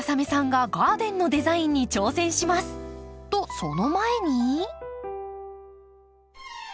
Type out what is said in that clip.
とその前に。